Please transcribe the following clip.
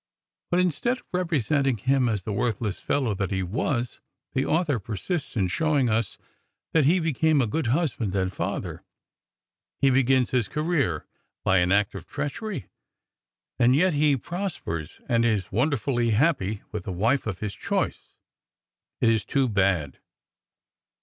But instead of representing him as the worthless fellow that he was, the author persists in showing us that he became a good husband and father. He begins his career by an act of treachery; and yet he prospers, and is wonderfully happy with the wife of his choice! It is too bad."